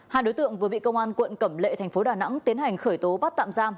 hai đối tượng vừa bị công an quận cẩm lệ thành phố đà nẵng tiến hành khởi tố bắt tạm giam